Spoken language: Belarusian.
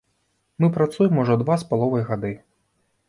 Мы працуем ужо два з паловай гады.